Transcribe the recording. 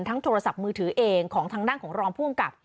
โทรศัพท์มือถือเองของทางด้านของรองผู้อำกับ